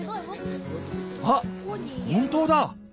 あっ本当だ！